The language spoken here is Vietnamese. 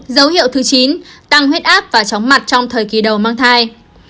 dấu hiệu thứ chín tăng huyết áp và chóng mặt trong thời kỳ đầu mang thai